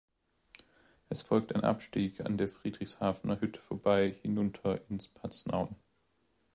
Es folgt ein Abstieg an der Friedrichshafener Hütte vorbei hinunter ins Paznaun.